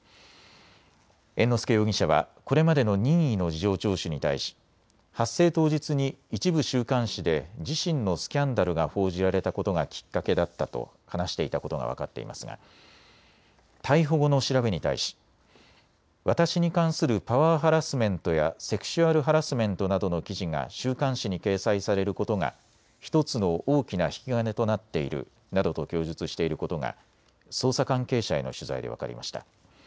猿之助容疑者はこれまでの任意の事情聴取に対し発生当日に一部週刊誌で自身のスキャンダルが報じられたことがきっかけだったと話していたことが分かっていますが逮捕後の調べに対し私に関するパワーハラスメントやセクシュアルハラスメントなどの記事が週刊誌に掲載されることが１つの大きな引き金となっているなどと供述していることが捜査関係者への取材で分かりました。